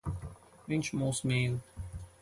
Viņš mūs mīl.